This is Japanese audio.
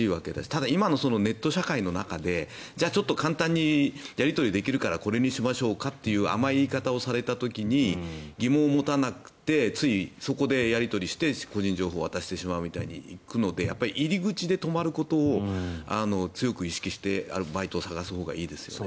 ただ、今のネット社会の中でちょっと簡単にやり取りできるからこれにしましょうかという甘い言い方をされた時に疑問を持たなくてつい、そこでやり取りして個人情報を渡してしまうというみたいに行くので入り口で止まることを強く意識してバイトを探すほうがいいですよね。